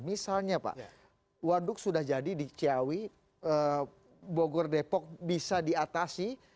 misalnya pak waduk sudah jadi di ciawi bogor depok bisa diatasi